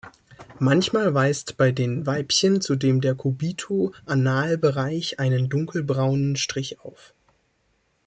Manchmal weist bei den Weibchen zudem der Cubito-Anal-Bereich einen dunkelbraunen Strich auf.